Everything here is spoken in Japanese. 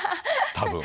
多分。